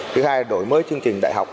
thứ hai là đổi mới chương trình đại học